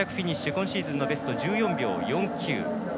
今シーズンのベスト１４秒４９。